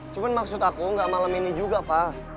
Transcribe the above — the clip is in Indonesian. cuma maksud aku nggak malam ini juga pak